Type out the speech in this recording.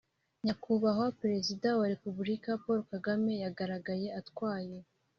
Nyakubahwa perezida wa repubulika paul kagame yagaragaye atwaye